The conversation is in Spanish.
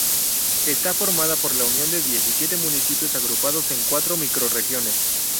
Está formada por la unión de diecisiete municipios agrupados en cuatro microrregiones.